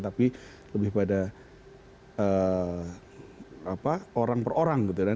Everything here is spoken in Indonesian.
tapi lebih pada orang per orang gitu kan